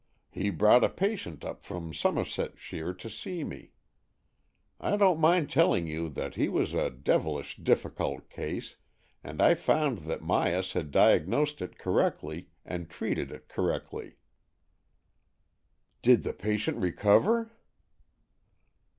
He brought a patient up from Somersetshire to see me. I don't mind telling you that it was a devil ish difficult case, and I found that Myas had diagnosed it correctly and treated it correctly." " Did the patient recover?